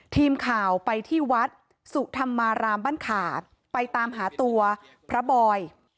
ทีมข่าวไปที่วัดสุธรรมารามบ้านขาไปตามหาตัวพระบอย